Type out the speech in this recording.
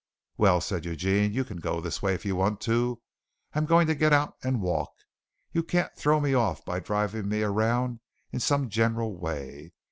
"Well," said Eugene, "you can go this way if you want to. I'm going to get out and walk. You can't throw me off by driving me around in some general way.